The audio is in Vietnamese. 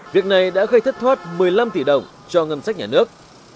việc này đã gây thất thoát một mươi năm tỷ đồng cho ngân sách nhà nước